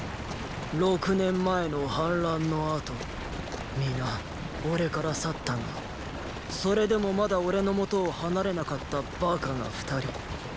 六年前の反乱の後皆俺から去ったがそれでもまだ俺の元を離れなかったバカが二人。